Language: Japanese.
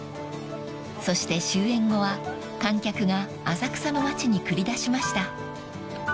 ［そして終演後は観客が浅草の街に繰り出しました］